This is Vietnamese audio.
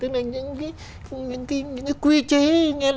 những cái quy chế